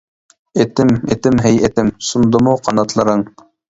ئېتىم، ئېتىم ھەي ئېتىم، سۇندىمۇ قاناتلىرىڭ.